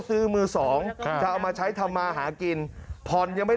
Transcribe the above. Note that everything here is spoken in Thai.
ซื้อมือสองจะเอามาใช้ทำมาหากินผ่อนยังไม่